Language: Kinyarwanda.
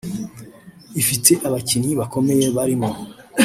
ifite abakinnyi bakomeye barimo